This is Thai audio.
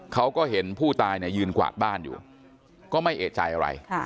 เขาก็เห็นผู้ตายเนี่ยยืนกวาดบ้านอยู่ก็ไม่เอกใจอะไร